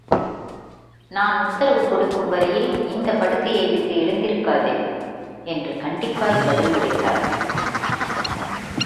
நான் உத்தரவு கொடுக்கும் வரையில் இந்தப் படுக்கையை விட்டு எழுந்திருக்காதே! என்று கண்டிப்பாய்ப் பதில் உரைத்தார்.